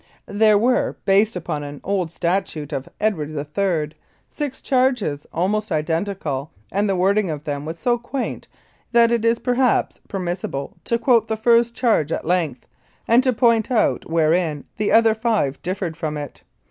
There were, based upon an old statute of Edward III., six charges, almost identical, and the wording of them was so quaint that it is perhaps permissible to quote the first charge at length, and to point out wherein the other five differed from it.